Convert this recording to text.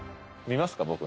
見ますか？